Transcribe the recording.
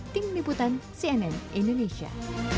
tingin liputan cnn indonesia